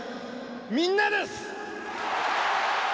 みんなです！